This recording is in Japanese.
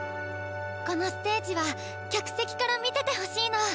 このステージは客席から見ててほしいの。